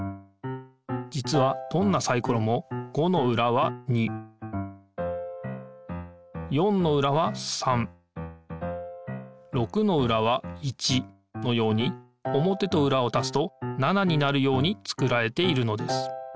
じつはどんなサイコロも５の裏は２４の裏は３６の裏は１のように表と裏をたすと７になるように作られているのです。